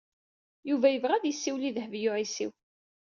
Yuba yebɣa ad yessiwel i Dehbiya u Ɛisiw.